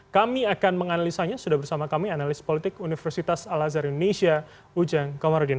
kami akan menganalisanya sudah bersama kami analis politik universitas al azhar indonesia ujang komarudin